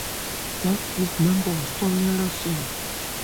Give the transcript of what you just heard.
That group member was Sonya Larson.